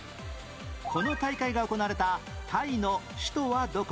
この大会が行われたタイの首都はどこ？